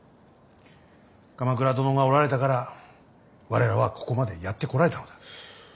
鎌倉殿がおられたから我らはここまでやってこられたのだ。